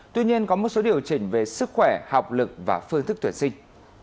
tuy nhiên có một số điều chỉnh về sức khỏe học lực và phương thức tuyển sinh